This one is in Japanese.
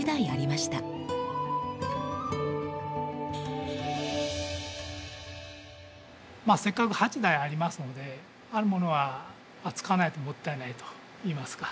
まあせっかく８台ありますのであるものは使わないともったいないといいますか。